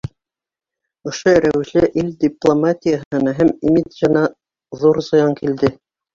Ошо рәүешле ил дипломатияһына һәм имиджына ҙур зыян килде.